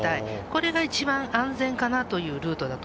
これが一番安全かなというルート